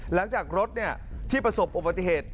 หลังจากรถที่ประสบอุบัติเหตุ